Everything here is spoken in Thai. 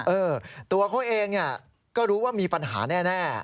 เออตัวเขาเองก็รู้ว่ามีปัญหาแน่